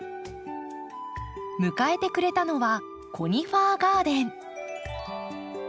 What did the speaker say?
迎えてくれたのはコニファーガーデン。